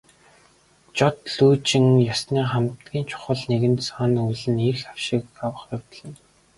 Жод лүйжин ёсны хамгийн чухал нэгэн зан үйл нь эрх авшиг авах явдал юм.